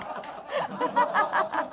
ハハハハ！